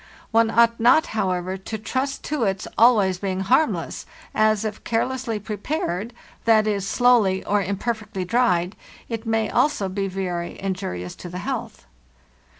* One ought not, however, to trust to its always being harmless, as, if care lessly prepared—z.e., slowly or imperfectly dried—it may also be very injurious to the health.